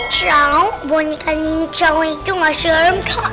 caw boneka ini caw itu nggak serem kak